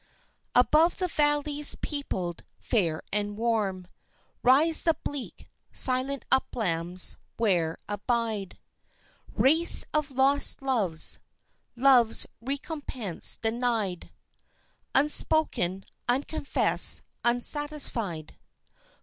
Above the valleys, peopled, fair and warm, Rise the bleak, silent uplands where abide Wraiths of lost loves, love's recompense denied, Unspoken, unconfessed, unsatisfied....